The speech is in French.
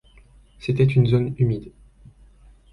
C'était une zone humide.